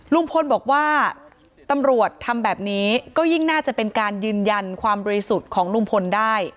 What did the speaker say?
ลุงพลบอกว่าตำรวจทำแบบนี้ก็ยิ่งน่าจะเป็นการยืนยันความบริสุทธิ์ของลุงพลได้